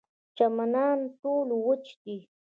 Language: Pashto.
چمنان ټول وچ دي.